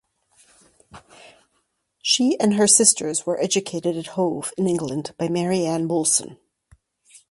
She and her sisters were educated at Hove in England by Mary Ann Moulson.